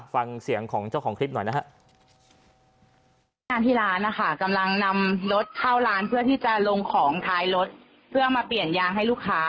ฟังเสียงของเจ้าของคลิปหน่อยนะฮะ